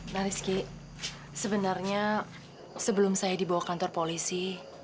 marisky sebenarnya sebelum saya dibawa ke kantor polisi